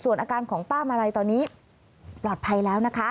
ส่วนอาการของป้ามาลัยตอนนี้ปลอดภัยแล้วนะคะ